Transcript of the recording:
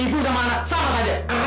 ibu sama anak salah saja keras kepala